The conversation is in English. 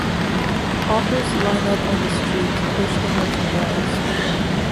Hawkers line up on the street to push the merchandise.